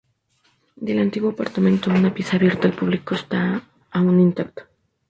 Del antiguo apartamento, una pieza abierta al público está aún intacta.